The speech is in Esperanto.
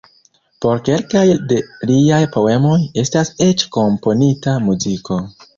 Por kelkaj de liaj poemoj estas eĉ komponita muziko.